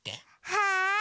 はい！